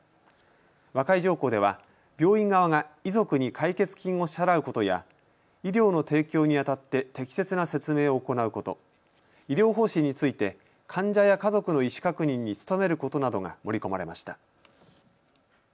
和解条項では病院側が遺族に解決金を支払うことや医療の提供にあたって適切な説明を行うこと、医療方針について患者や家族の意思確認に努めることなどが盛り込まれました。